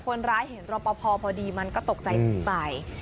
คนร้ายเห็นรอปภพอดีมันก็ตกใจขึ้นไป